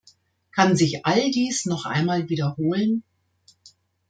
Kann sich all dies noch einmal wiederholen?